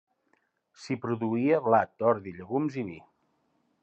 S'hi produïa blat, ordi, llegums i vi.